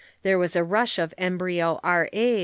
There was a rush of embryo R.A.'